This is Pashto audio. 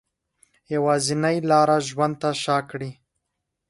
یوازینۍ لاره ژوند ته شا کړي